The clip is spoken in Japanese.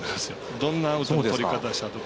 どんなアウトとりかたしたとか。